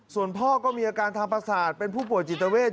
ส่วนพ่อก็มีอาการทางประสาทเป็นผู้ป่วยจิตเวท